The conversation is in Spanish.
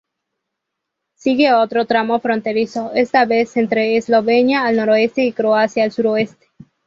Sigue otro tramo fronterizo, esta vez entre Eslovenia, al noreste, y Croacia, al suroeste.